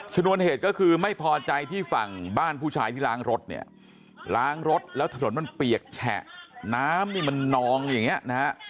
ชนวนเหตุก็คือไม่พอใจที่ฝั่งบ้านผู้ชายที่ล้างรถเนี่ยล้างรถแล้วถนนมันเปียกแฉะน้ำนี่มันนองอย่างนี้นะฮะ